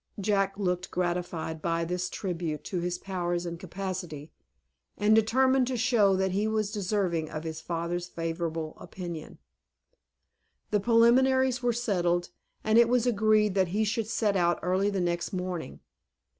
Jack looked gratified by this tribute to his powers and capacity, and determined to show that he was deserving of his father's favorable opinion. The preliminaries were settled, and it was agreed that he should set out early the next morning.